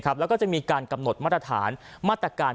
ก็จะมีการกำหนดมาตรฐานหมัดตะการ